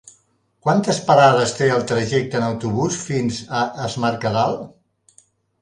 Quantes parades té el trajecte en autobús fins a Es Mercadal?